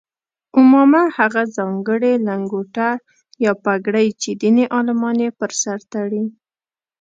عمامه هغه ځانګړې لنګوټه یا پګړۍ چې دیني عالمان یې پر سر تړي.